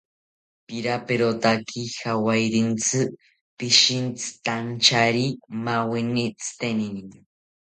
Piraperotaki jawarintzi, pishintzitantyari maaweni tzitenini